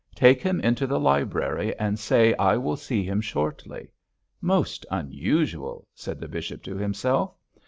'Take him into the library and say I will see him shortly. Most unusual,' said the bishop to himself.